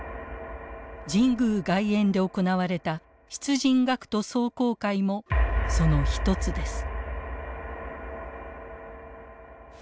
神宮外苑で行われた出陣学徒壮行会もその一つです。